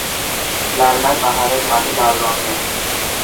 লালমাই পাহাড়ের মাটি লাল রংয়ের।